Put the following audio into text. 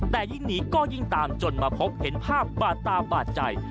แต่ยิ่งหนีก็ยิ่งตามจนมาพบเห็นภาพบาดตาบาดใจ